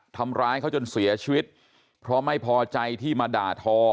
ทำร้ายเขาจนเสียชีวิตเพราะไม่พอใจที่มาด่าทอ